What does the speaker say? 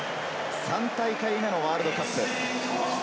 ３大会目のワールドカップ。